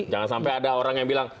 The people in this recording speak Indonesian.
jangan sampai ada orang yang bilang